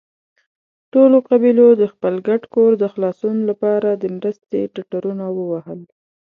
ټولو قبيلو د خپل ګډ کور د خلاصون له پاره د مرستې ټټرونه ووهل.